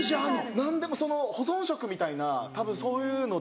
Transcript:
何でも保存食みたいなたぶんそういうので。